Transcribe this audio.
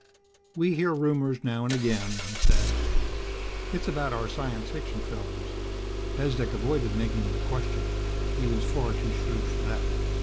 "We hear rumors now and again," he said. "It's about our science fiction films." Bezdek avoided making it a question. He was far too shrewd for that.